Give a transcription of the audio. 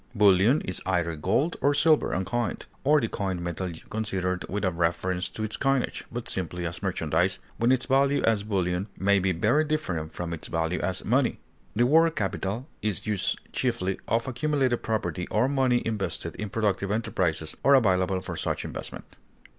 Bullion is either gold or silver uncoined, or the coined metal considered without reference to its coinage, but simply as merchandise, when its value as bullion may be very different from its value as money. The word capital is used chiefly of accumulated property or money invested in productive enterprises or available for such investment.